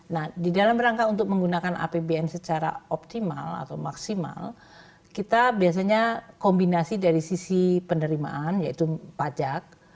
nah di dalam rangka untuk menggunakan apbn secara optimal atau maksimal kita biasanya kombinasi dari sisi penerimaan yaitu pajak